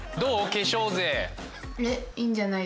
化粧税？